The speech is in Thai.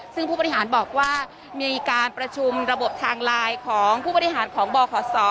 ซึ่งผู้บริหารบอกว่ามีการประชุมระบบทางไลน์ของผู้บริหารของบขศ